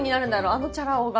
あのチャラ男が。